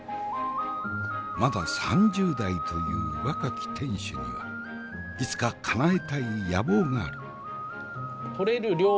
まだ３０代という若き店主にはいつかかなえたい野望がある。